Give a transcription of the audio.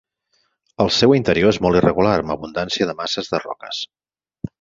El seu interior és molt irregular amb abundància de masses de roques.